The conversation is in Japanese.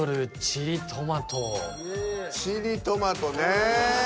チリトマトね。